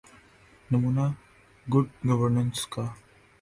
نمونہ good governance کا۔